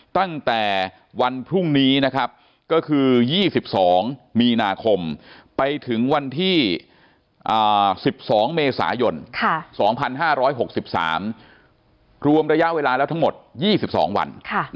ตั้งแต่วันพรุ่งนี้นะครับก็คือ๒๒มีนาคมไปถึงวันที่๑๒เมษายน๒๕๖๓รวมระยะเวลาแล้วทั้งหมด๒๒วัน